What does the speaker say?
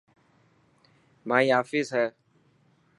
مائي آفيس هي.